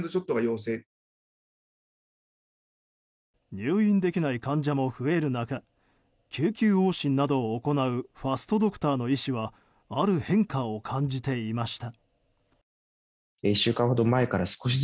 入院できない患者も増える中救急往診などを行うファストドクターの医師はある変化を感じていました。